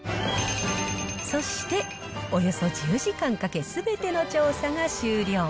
そして、およそ１０時間かけすべての調査が終了。